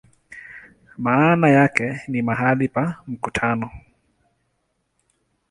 Maana yake ni "mahali pa mkutano".